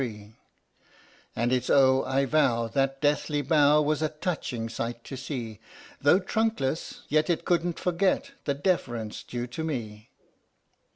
IOO THE STORY OF THE MIKADO And it 's O I vow That deathly bow Was a touching sight to see, Though trunkless, yet It couldn't forget The deference due to me